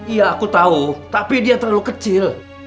iya aku tahu tapi dia terlalu kecil